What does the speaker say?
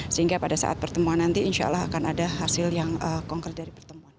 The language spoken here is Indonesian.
sehingga pada saat pertemuan nanti insya allah akan ada hasil yang konkret dari pertemuan